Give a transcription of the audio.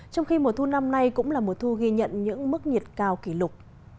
trong khi mùa thu năm nay cũng là mùa thu ghi nhận những mức nhiệt cao kỷ lục